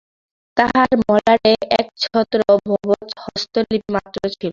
তাহার মলাটে একছত্র ভবৎ-হস্তলিপি মাত্র ছিল।